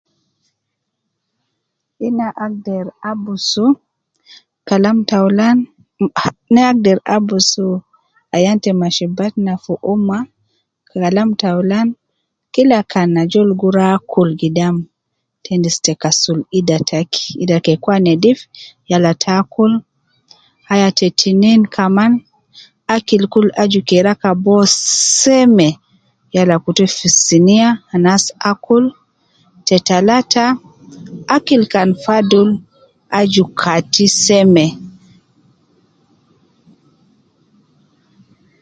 Ina agder abusu kalam taulan, na agder abusu ayan te mashi batna fu umma, kalam taulan kila kan ajol gi rua akul gidam te endis ta kasul ida taki, ida ke kua nedif yala te akul, aya te tinin kaman akil kul aju ke rakab uwo sseme, yala kutu fi siniya anas akul, te talata, akil kan fadul, aju kati seme